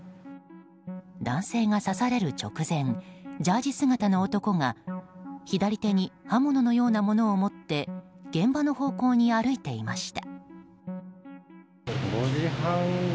男性が刺される直前ジャージー姿の男が左手に刃物のようなものを持って現場の方向に歩いていました。